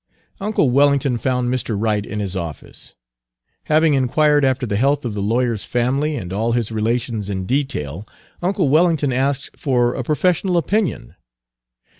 Uncle Wellington found Mr. Wright in his office. Having inquired after the health of the lawyer's family and all his relations in detail, uncle Wellington asked for a professional opinion.